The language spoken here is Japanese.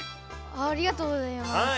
ありがとうございます。